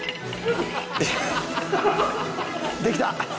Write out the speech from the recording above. できた！